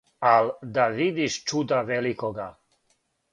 Ал' да видиш чуда великога!